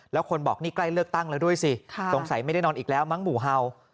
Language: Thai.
แล้วคนบอกนี่ใกล้เลือกตั้งแล้วด้วยสิสงสัยไม่ได้นอนอีกแล้วมั้งหมู่เห่า